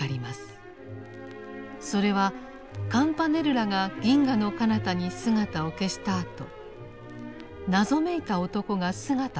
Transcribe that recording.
それはカムパネルラが銀河のかなたに姿を消したあと謎めいた男が姿を現し